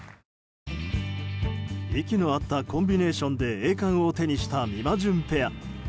息の合ったコンビネーションで栄冠を手にしたみまじゅんペア。